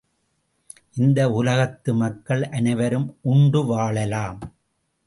இந்த உலகத்து மக்கள் அனைவரும் உண்டு வாழலாம்!